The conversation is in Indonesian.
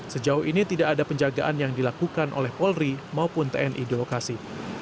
sejauh ini tidak ada penjagaan yang dilakukan oleh polri maupun tni di lokasi